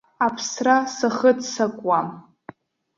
Аԥсра сахыццакуам.